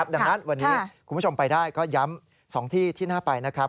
ดังนั้นวันนี้คุณผู้ชมไปได้ก็ย้ำ๒ที่ที่น่าไปนะครับ